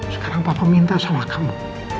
sekarang papa minta sama kamu